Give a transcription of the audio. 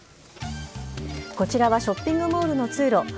こちらはショッピングモールの通路。